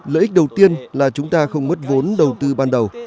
lợi ích đầu tiên là chúng ta không mất vốn đầu tư ban đầu